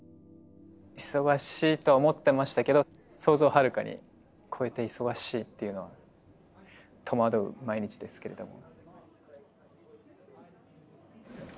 忙しいとは思ってましたけど想像をはるかに超えて忙しいっていうのは戸惑う毎日ですけれども。